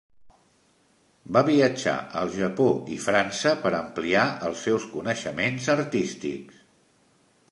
Va viatjar al Japó i França per ampliar els seus coneixements artístics.